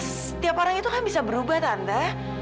setiap orang itu kan bisa berubah tanda